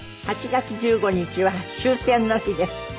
８月１５日は終戦の日です。